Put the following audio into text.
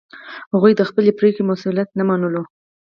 هغوی د خپلې پرېکړې مسوولیت نه منلو.